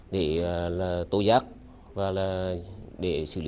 để tổ giác và xử lý